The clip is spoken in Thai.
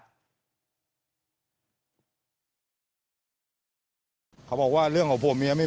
ก็ตาเขาช้ำหมดเลยเขาแปะแผ่